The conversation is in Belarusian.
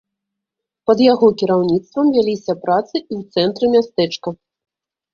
Пад яго кіраўніцтвам вяліся працы і ў цэнтры мястэчка.